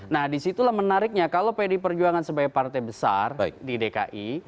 nah disitulah menariknya kalau pd perjuangan sebagai partai besar di dki